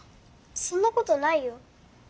そんなことないよ。